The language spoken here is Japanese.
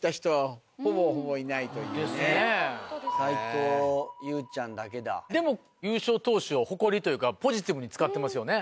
ホントですね斎藤佑ちゃんだけだでも優勝投手を誇りというかポジティブに使ってますよね